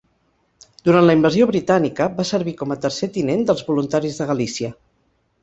Durant la Invasió Britànica, va servir com a tercer tinent dels Voluntaris de Galícia.